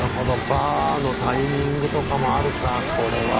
バーのタイミングとかもあるかこれは。